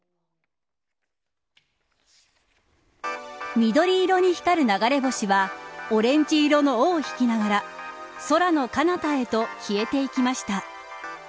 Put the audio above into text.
緑色に光る流れ星はオレンジ色の尾を引きながら空の彼方へと消えていきました。